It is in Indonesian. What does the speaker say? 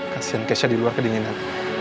kasian kesha di luar kedinginan